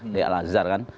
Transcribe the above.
dari al azhar kan